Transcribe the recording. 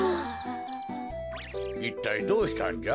いったいどうしたんじゃ？